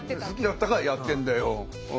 好きだったからやってんだよ。